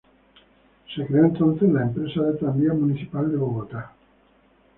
Se creó entonces la Empresa del Tranvía Municipal de Bogotá.